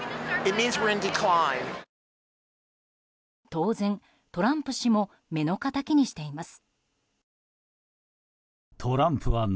当然、トランプ氏も目の敵にしています。